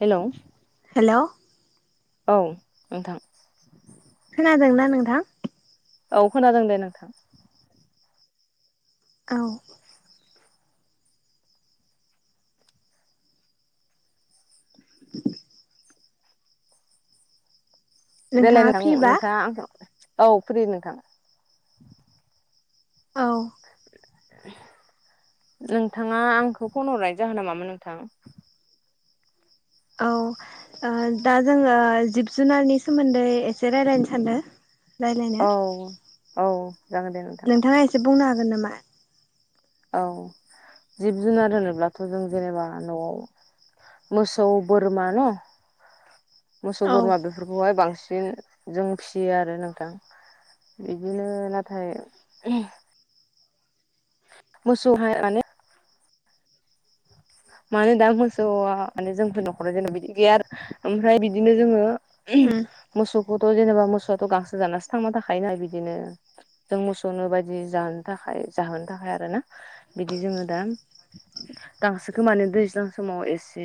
हेल'। Hello. औ नोंथां। खोनादोंना नोंथां। औ खोनादों दे नोंथां। औ। [inaudible] द्लाय नोंथाङा नां फ्रिबा नोंथाङा औ फ्रि नोंथां [unintelligible] औ। नोंथाङा आंखौ फन हरनाय जाहोना नामोन नोंथां। औ। दा जोङो जिब जुनारनि सोमोन्दै एसे रायजलायनो सान्दों। औ औ। जागोन दे नोंथां नोंथाङा एसे बुंनो हागोन नामा। औ जिब जुनार होनोब्लाथ' जों जेनेबा न'आव। मोसौ बोरमा न मोसौ औ बोरमा बेफोरखौहाय बांसिन। बि जों फिसियो आरो नोंथां। बिदिनो नाथाय मोसौहाय [unintelligible] माने दा मोसौआ माने जोंफोरनि न'खराव जेन' बिदि गैया ओमफ्राय बिदिनो जोङो उम मोसौखौ अ जेनेबा मोसौआथ' गांसो जानासो थांना थाखायो ना बिदिनो जों मोसौनो बायदि जानो थाखाय। जाहोनो थाखाय आरोना बिदि जोङो दा गांसो गोमानो दैज्लां समाव एसे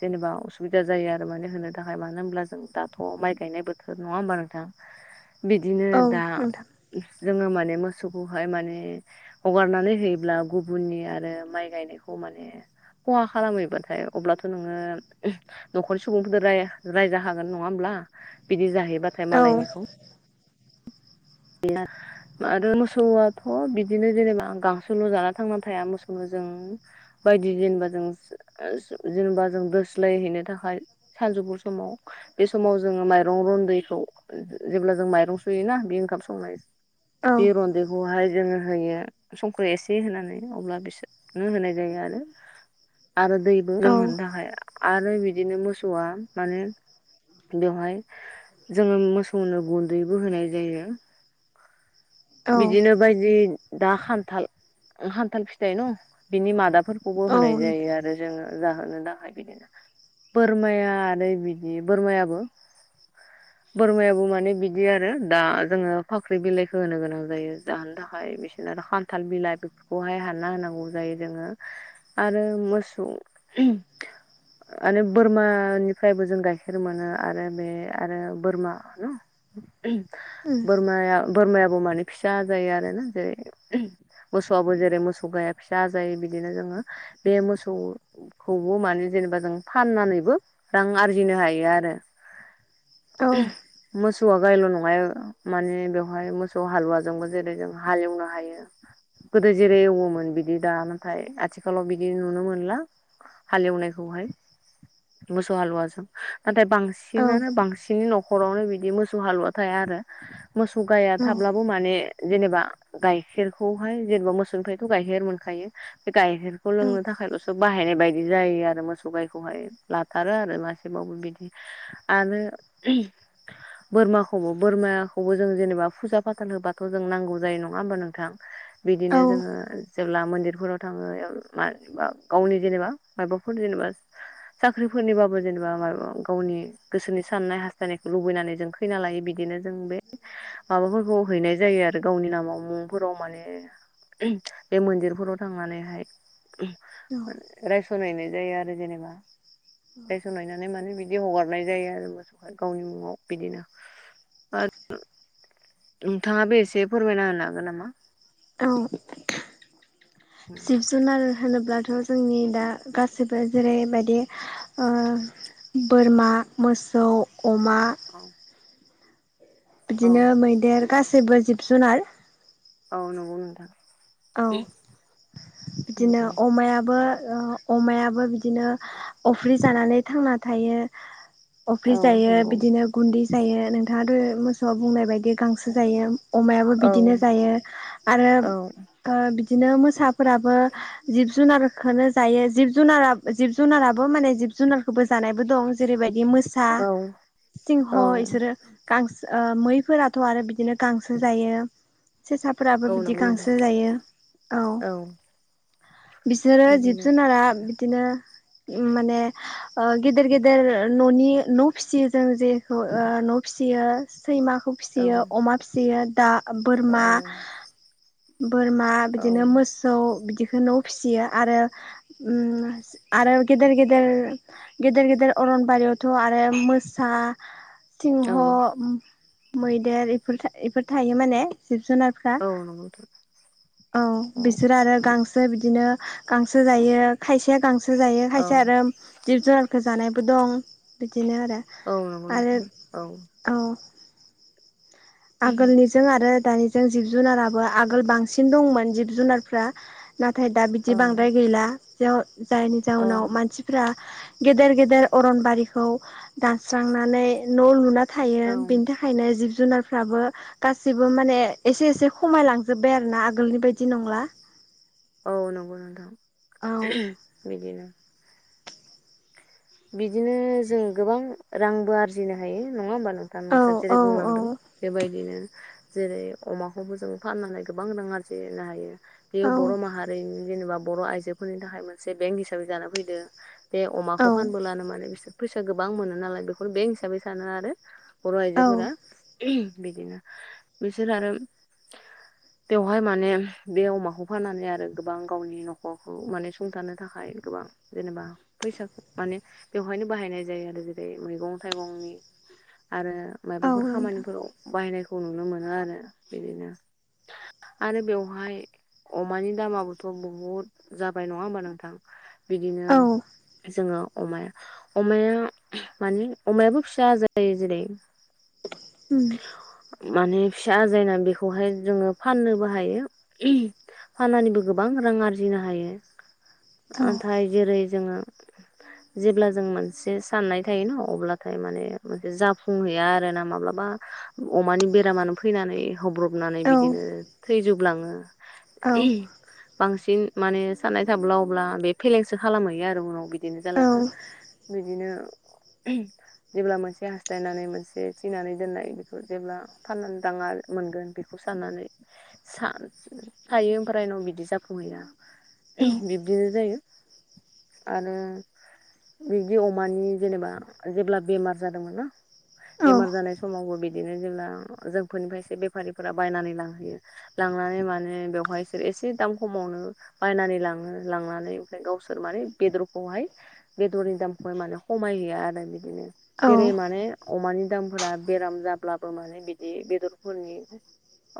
जेनेबा उसुबिदा जायो आरो माने होनो थाखाय मानो होनब्ला जों दाब थ' माइ गायनाय बोथोर नङा होमबा नोंथां बिदिनो औ दा नोंथां जोङो माने मोसौखौहाय माने हगारनानै होयोब्ला गुबुननि आरो माइ गायनायखौ माने खहा खालामहैबाथाय अब्लाथ' नोङो न'खरनि सुबुंफोरजों राय रायजाखागोन हागोन नङा होम होमब्ला बिदि जाहैबाथाय औ मालायनिखौ [unintelligible] आरो मोसौआथ' बिदिनो जेनेबा गांसोल' जाना थांना थाया मोसौनो जों बायदि जेनेबा जों सो आ सो जेनेबा जों दोस्लायहैनो थाखाय सानजौफु समाव बे समाव जोङो माइरं रन्दैखौ ओ जेब्ला जों माइरं सुयोना बे ओंखाम सं [unintelligible] औ बे रनदैखौहाय जोङो होयो संख्रि एसे होनानै अब्ला बिसोरनो होनाय जायो आरो आरो दैबो औ लोंहोनो थाखाय आरो बिदिनो मोसौआ माने बेवहाय जोङो मोसौनो गुन्दैबो होनाय जायो। औ बिदिनो बायदि दा खान्थाल खान्थाल फिथाइ न बिनि मादा फोरखौबो औ होनाय उम जायो आरो जोङो जाहोनो थाखाय बिदिनो बोरमाया आरो बिदि बोरमायाबो बोरमायाबो माने बिदि आरो दा जोङो फाख्रि बिलाइखौ होनो गोनां। जायो जाहोनो थाखाय बिसोरनो आरो खानथाल बिलाइ बेफोरखौहाय हानना होनांगौ जायो जोङो आ आरो मोसौ आरो बोरमानिफ्रायबो जों गाइखेर मोनो आरो बे आरो बोरमा न उह्म बोरमाया बोरमायाबो माने फिसा आजायो आरोना जेरै उह्म मोसौआबो जेरै मोसौ गाया फिसा आजायो बिदिनो जोङो बे मोसौखौबो माने जों जेनेबा जों फाननानैबो रां आरजिनो हायो आरो [inaudible] मोसौआ गायल' नङा ए माने बेवहाय मोसौ हालुवा जोंबो जेरै जों हालेवनो हायो। गोदो जेरै एवोमोन बिदि दा नाथाय आथिखालाव बिदि नुनो मोनला हालेवनायखौहाय मोसौ हालुवाजों नाथाय बांसिनानो औ बांसिननि न'खरावनो बिदि मोसौ हालुवा थाया आरो मोसौ गाया थाब्लाबो माने जेनेबा गाइखेरखौहाय जेनेबा मोसौनिफ्रायथ' गाइखेर मोनखायो गाइखेरखौ औ लोंनो थाखायल'सो बाहाय। बाहायनाय बायदि जायो आरो मोसौ गायखौहाय लाथारो आरो मासेबाबो बिदि आरो बोरमाखौबो बोरमाखौबो जों जेनेबा फुजा फाथाल होबा थ' जों नांगौ जायो नङा होमबा नोंथां बिदिनो औ जोङो जेब्ला मन्दिफोराव थाङो ओ मानिबा गावनि जेनेबा माबाफोर जेनेबा साख्रिफोरनिबाबो बो जेनेबा मा गावनि गोसोनि साननाय हास्थायनायखौ लुबैनानै जों खैना लायो बिदिनो जों बे माबाफोरखौ हैनाय जायो आरो गावनि नामाव मुंफोराव माने बे मन्दिरफोराव थांनानैहाय रायस'नहैनाय जायो आरो जेनेबा रायस'नहैनानै माने बिदि बिदि हगारनाय जायो आरो मोसौखौ गावनि मुङाव बिदिनो आरो नोंथाङाबो एसे फोरमायना होनो हागोन नामा औ जिब जुनार होनोब्लाथ' जोंनि दा गाससिबो जेरैबायदि बोरमा मोसौ अमा औ औ बिदिनो मैदेर गासैबो जिब जुनार औ नंगौ नोंथां औ बिदिनो अमायाबो अमायाबो बिदिनो अफ्रि जानानै थांना थायो अफ्रि औ जायो नंगौ बिदिनो गुन्दै जायो नोंथाङाथ' मोसौआव बुंनाय बायदि गांसो जायो अमायाबो औ बिदिनो जायो आरो औ बिदिनो मोसाफोराबो जिब जुनारखौ जायो जिब जुनारा जिब जुनाराबो माने जिब जुनारखौबो जानायबो दं जेरैबायदि मोसा औ सिंह औ बिसोरो गांसो मैफोराथ' आरो बिदिनो गांसो जायो सेसाफोराबो औ बिदि नंगौ नोंथां गांसो जायो औ बिसोरो जिब बिदिनो जुनारा बिदिनो माने गेदेर गेदेर न'नि न' फिसियो जों जेखौ न' सियास [unintelligible] सैमाखौ औ फिसियो अमा फिसियो दा औ बोरमा ना औ बिदिनो मोसौ बि न फिसियो आरो आरो गेदेेर गेदर गेदेर गेदेर अरनबारियावथ' आरो मोसा सिंह औ मैदेरफोर बेफोर थायो माने जिब जुनारफ्रा औ नंगौ नोंथां औ बिसोरो आरो गांसो बिदिनो गांसो जायो खायसेया गांसो जायो औ खायसे आरो जिब जुनारखौ जानायबो दं बि बिदिनो आरो औ नंगौ आरो नोंथां औ औ आगोलनि जों आरो दानिजों जिब जुनाराबो आगोल बांसिन दंमोन जिब जुनारफ्रा नाथाय दा बिदि औ बांद्राय गैला जायनि औ जाउनाव मानसिफ्रा गेदेर गेदेर अरनबारिखौ दानस्रांनानै न' लुनानै थायो औ बेनि थाखायनो जिब जुनार फ्राबो गासिबो माने एसे एसे खमायलांजोब्बाय आरो ना आगोलनि बायदि नंला [inaudible] औ नंगौ नोंथां औ बिदिनो बिदिनो जों गोबां रांबो आरजिनो हायो नङा होनबा दा औ नोंथाया औ जेरै बुंलांदों बेबायदिनो जेरै अमाखौबो जों फाननानै गोबां रां आरजिनो हायो औ बेयो बर' माहारिनि जेनेबा बर' आइजोफोरनि थाखाय मोनसे बेंक हिसाबै जानो फैदों बे औ अमाखौ फानबो लानो माने बिसोर फैसा गोबां मोनो नालाय बेखौ बेंक हिसाबै सानो आरो बर' औ आयजोफोरा बिदिनो बिसोर आरो बेवहाय माने बे अमाखौ फाननानै आरो गोबां गावनि न'खरखौ माने सुंथानो थाखाय गोबां जेनेबा फैसाखौ माने बेवहायनो बाहायनाय जायो आरो जेरै मैगं थाइगंनि आरो औ माबाफोर नोंथां खामानिफोराव बाहायनायखौ नुनो मोनो आरो बिदिनो आरो बेवहाय अमानि दामाबोथ' बहुद जाबाय नङा हबा नोंथां बिदिनो औ जोङो अमाया अमाया माने अमायाबो फिसा जायो जेरै उ माने फिसा आजायना बेखौहाय जोङो फाननोबो हायो फाननानैबो गोबां रां आरजिनो हायो औ नाथाय जेरै जोङो [inaudible] जेब्ला जों मोनसे साननाय थायो ना अब्लाथाय माने मोनसे जाफुंहैया आरो ना माब्लाबा अमानि बेरामानो फैनानै हब्रबनानै औ बिदिनो थैजोबलाङो औ बांसिन माने साननाय थाब्ला अब्ला बे फेलेंसो खालामहैयो आरो उनाव बि बिदिनो औ जालाङो औ बिदिनो ओहम जेब्ला मोनसे हास्थायनानै मोनसे थिनानै दोननाय बिफोर जेब्ला फाननानै दाङा मोनगोन बेखौ साननानै सान थायो फोरायनाव बिदि जाफुंहैया औ बिब्दिनो जायो आरो बिदि अमानि जेनेबा जेब्ला बेमार जादोंमोन ना औ बेमार जानाय समावबो बि बिदिनो जेब्ला जोंफोरनिफ्रायसो बेफारिफोरा बायनानै लांहैयो लांनानै माने बेवहायसो से दाम खमावनो बनानै लांङो लांनानै ओमफ्राय गावसोर माने बेदरखौहाय बेदरनि दामखौहाय माने खमायहैया आरो बिदिनो औ जेरै नोंथां माने अमानि दामफोरा बेराम जाब अब्लाबो माने बिदि बेदरफोरनि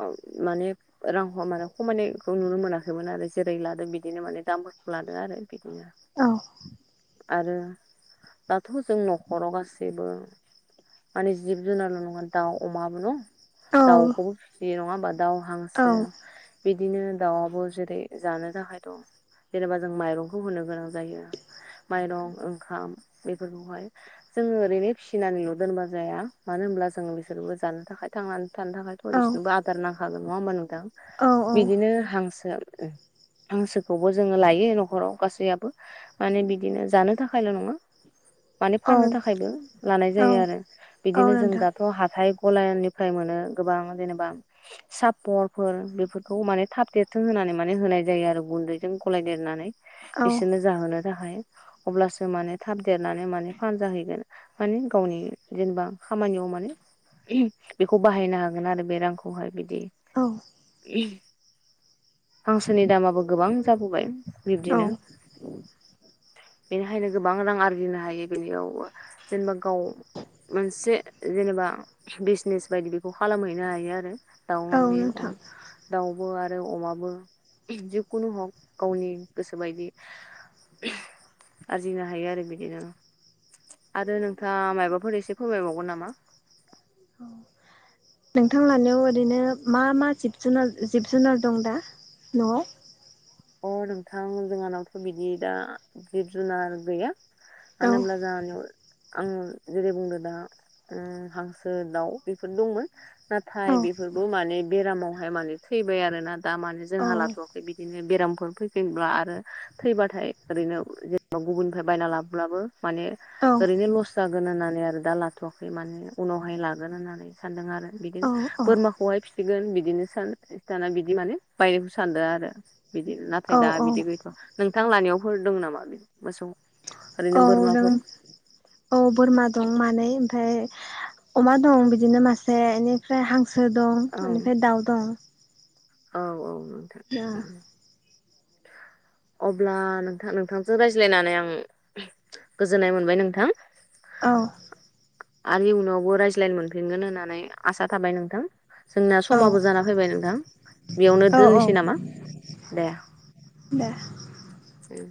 ओ माने रांखौ माने खमायनायखौ नुनो मोनाखैमोन आरो जेरै लादों बिदिनो माने दाम लादो आरो बिदिनो औ आरो दाथ' जों न'खराव गासैबो माने जिब जुनार ल नङा दाउ अमाबो न औ औ दाउखौबो फिसियो नङा होमबा दाउ हांसो बिदिनो दाउआबो जेरै जानो थाखायथ' जेनेबा जों माइरंखौ होनो गोनां जायो। माइरं ओंखाम बेफोरखौहाय जोङो ओरैनो फिसिनानैल' दोनबा जाया मानो होनब्ला जों बिसोरबो जानो थाखाय थांनानै थानो थाखाय' बिसोरनोबो आदार नांखागोन नङा होमबा नोंथां? बिदिनो हांसोआ हांसोखौबो जोङो लायो न'खराव गासैयाबो माने बिदिनो जानो थाखायल' नङा। [inaudible] माने फाननो थाखायबो लानाय जायो आरो बिदिनो जों दाथ' हा गलायननिफ्राय मोनो गोबां जेनबा सापरफोर बेफोरखौ माने [inaudible] होनानै माने होनाय जायो आरो गुन्दैजों गलाय देरनानै बिसोरनो जाहोनो थाखाय अब्लासो माने थाब देरनानै माने फानजाहैगोन माने गावनि जेनेबा खामानियाव माने ओहम बेखौ बाहायनो हागोन आरो बे रांखौहाय बिदि औ ओहम हांसोनि दामाबो गोबां जाबोबाय औ बिब्दिनो [inaudible] बेनिखायनो गोबां रां आरजिनो हायो बेनियाव जेनेबा गाव मोनसे जेनेबा बिजनेस बायदि बेखौ खालामहैनो हायो आरो औ दाउनि अ नोंथां दाउ उबो आरो अमाबो जिखुनु हक गावनि गोसोबायदि [inaudible] आरजिनो हायो आरो बिदिनो आरो नोंथाङा मायाबाफोर एसे फोरमायबावगोन नामा नोंथां लानायाव ओरैनो मा मा जिब जुनार जिब जुनार दं दा न'आव अ नोंथां जोंहानावथ' बिदि दा जिब जुनार गैया औ मानो होमब्ला जांआनियाव आंओ जेरै बुंदों दा हांसो दाउ बेफोर दंमोन औ नाथाय बेफोर बेफोरबो माने बेरामावहाय माने थैबाय आरोना दा माने औ जोंहा लाथ'वाखै बिदिनो बेरामफोर फैफिनब्ला आरो थैबाथाय ओरैनो जेनेबा गुबुननिफ्राय बायना लाबोब्लाबो माने माने औ ओरैनो लस जागोन होननानै आरो दा लाथ'वाखै माने उनावहाय लागोन होननानै सानदों आरो बिदिनो औ बोरमाखौहाय फिसिगोन बिदिनो सान दाना बिदि माने बायनायखौ सानद आरो बिदि नाथाय औ दा बिदि गैथ' नोंथां लानायावफोर दं नामा मोसौ ओरैनो औ नों बोरमाफोर औ बोरमा दं मानै ओमफ्राय अमा दं बिदिनो मासे बेनिफ्राय हां हांसो दं औ बेनिफ्राय दाउ दं औ औ नोंथां ह [inaudible] अब्ला नोंथां नोंथांजों रायज्लायनानै आं गोजोननाय मोनबाय नोंथां औ आरो इयुनावबो रायज्लायनो मोनफिनगोन होननानै आसा थाबाय नोंथां जोंना औ समाबो जाना फैबाय नोंथां बेयावनो औ औ दोननोसै नामा दे दे ए